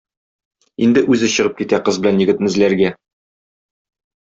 Инде үзе чыгып китә кыз белән егетне эзләргә.